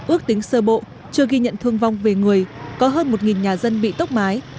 ước tính sơ bộ chưa ghi nhận thương vong về người có hơn một nhà dân bị tốc mái